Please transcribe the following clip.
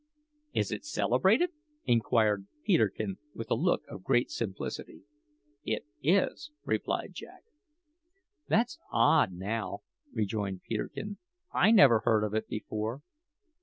"Is it celebrated?" inquired Peterkin with a look of great simplicity. "It is," replied Jack. "That's odd, now," rejoined Peterkin; "I never heard of it before."